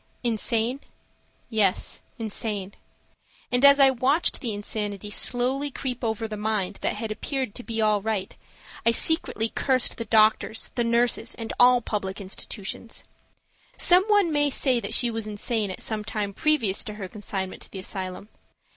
Insane? Yes, insane; and as I watched the insanity slowly creep over the mind that had appeared to be all right I secretly cursed the doctors, the nurses and all public institutions. Some one may say that she was insane at some time previous to her consignment to the asylum.